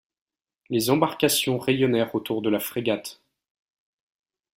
Les embarcations rayonnèrent autour de la frégate.